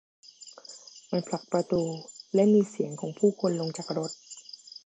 มันผลักประตู และมีเสียงของผู้คนลงจากรถ